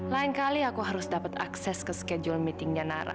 lain kali aku harus dapat akses ke schedule meetingnya nara